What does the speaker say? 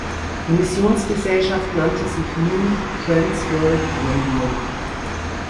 Die Missionsgesellschaft nannte sich nun Trans World Radio.